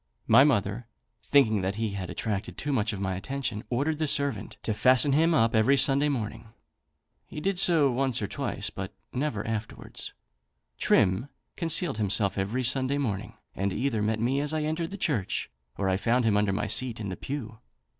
My mother, thinking that he attracted too much of my attention, ordered the servant to fasten him up every Sunday morning. He did so once or twice, but never afterwards. Trim concealed himself every Sunday morning, and either met me as I entered the church, or I found him under my seat in the pew.